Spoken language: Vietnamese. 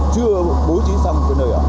chưa bố trí xong cái nơi ạ